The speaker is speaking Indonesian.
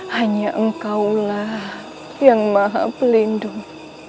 hanya engkau lah yang maha pelindung